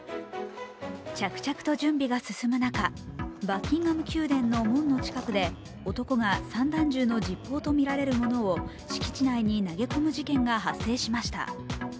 着々と準備が進む中、バッキンガム宮殿の門の近くで男が散弾銃の実包とみられるものを敷地内に投げ込む事件が発生しました。